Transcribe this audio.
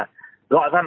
gọi phát là ok và ra ngay